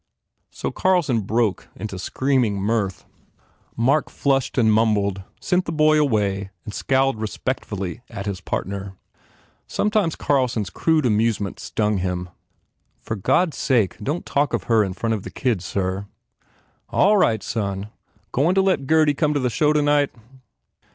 So Carlson broke into screaming mirth. Mark flushed and mumbled, sent the boy away and scowled respectfully at his partner. Sometimes Carlson s crude amusement stung him. Tor God s sake don t talk of her in front of the kids, sir!" U A11 right, son. Goin to let Gurdy come to the show tonight?"